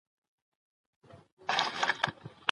د روغتیا بودیجه په کومو برخو لګول کیږي؟